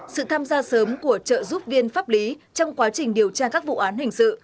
sự tham gia sớm của trợ giúp viên pháp lý trong quá trình điều tra các vụ án hình sự